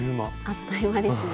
あっという間ですね。